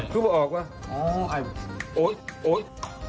ใส่ออกไหมอ๋อไอ้โอ๊ย